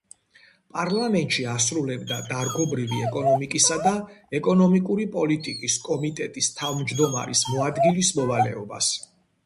პარლამენტში ასრულებდა დარგობრივი ეკონომიკისა და ეკონომიკური პოლიტიკის კომიტეტის თავმჯდომარის მოადგილის მოვალეობას.